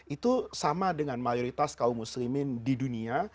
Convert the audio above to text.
itu sama dengan mayoritas kaum muslimin di dunia